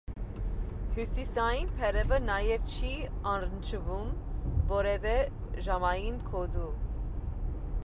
Հյուսիսային բևեռը նաև չի առնչվում որևէ ժամային գոտու։